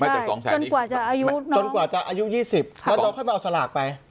ไม่แต่สองแสนนี้จนกว่าจะอายุน้องจนกว่าจะอายุยี่สิบค่ะแล้วน้องเข้ามาเอาสลากไป